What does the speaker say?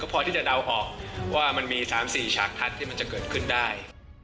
พอที่จะเดาออกว่ามันมี๓๔ฉากพัดที่มันจะเกิดขึ้นได้